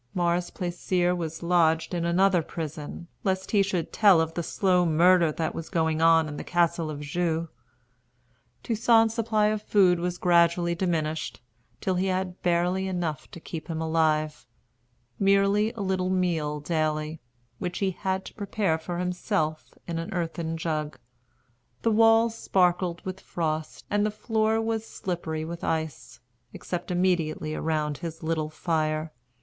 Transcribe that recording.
Mars Plaisir was lodged in another prison, lest he should tell of the slow murder that was going on in the Castle of Joux. Toussaint's supply of food was gradually diminished, till he had barely enough to keep him alive, merely a little meal daily, which he had to prepare for himself in an earthen jug. The walls sparkled with frost, and the floor was slippery with ice, except immediately around his little fire.